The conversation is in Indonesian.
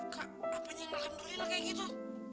kak apanya alhamdulillah kayak gitu